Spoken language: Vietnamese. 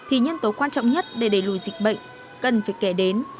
thì nhân tố quan trọng nhất để đẩy lùi dịch bệnh cần phải kể đến